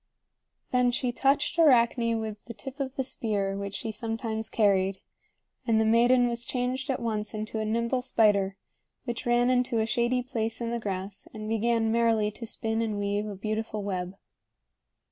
Then she touched Arachne with the tip of the spear which she sometimes carried; and the maiden was changed at once into a nimble spider, which ran into a shady place in the grass and began merrily to spin and weave a beautiful web.